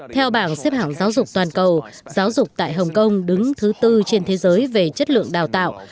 theo bảng xếp hạng giáo dục toàn cầu giáo dục tại hồng kông đứng thứ tư trên thế giới về chất lượng đào tạo